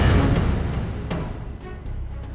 tidak ada apa apa